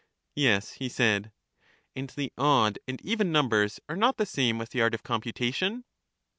Yes, he said. And the odd and even numbers are not the same with the art of computation?